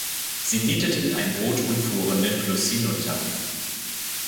Sie mieteten ein Boot und fuhren den Fluss hinunter.